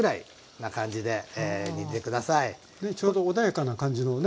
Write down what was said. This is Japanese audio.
ちょうど穏やかな感じのね。